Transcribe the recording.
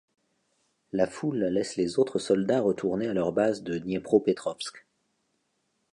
La foule laisse les autres soldats retourner à leur base de Dniepropetrovsk.